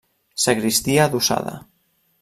Sagristia adossada.